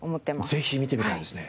ぜひ見てみたいですね。